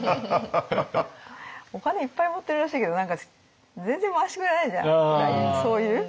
「お金いっぱい持ってるらしいけど何か全然回してくれないじゃん」みたいにそういう？